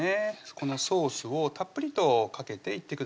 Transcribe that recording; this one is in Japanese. このソースをたっぷりとかけていってください